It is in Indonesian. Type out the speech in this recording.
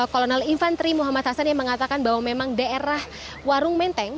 kolonel infantri muhammad hasan yang mengatakan bahwa memang daerah warung menteng